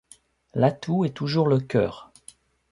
L’atout est toujours le cœur.